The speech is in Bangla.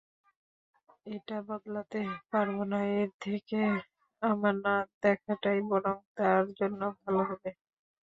এটা বদলাতে পারবো না এর থেকে আমার না দেখাটাই বরং তার জন্য ভালো হবে।